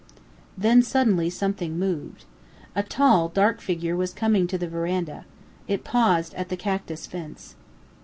Then suddenly something moved. A tall, dark figure was coming to the veranda. It paused at the cactus fence.